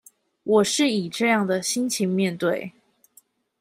我是以這樣的心情面對